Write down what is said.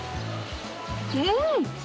うん！